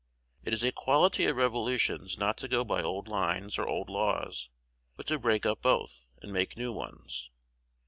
It is a quality of revolutions not to go by old lines or old laws, but to break up both, and make new ones.